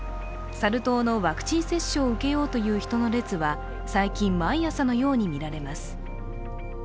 サル痘のワクチン接種を受けようという人の列は最近、毎朝のように見られます。